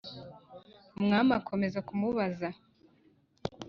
Umwami akomeza kumubaza,